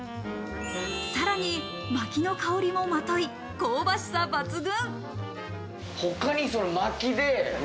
さらに薪の香りもまとい、香ばしさ抜群。